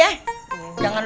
yang ini belom jalan suara